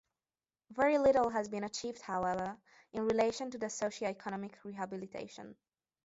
Very little has been achieved however, in relation to the socio-economic rehabilitation.